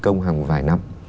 trong hàng vài năm